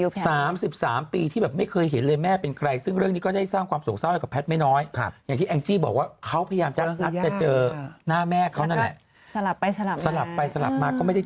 ใครสลับมาก็ไม่ได้เจอหน้าแม่สักทีหนึ่ง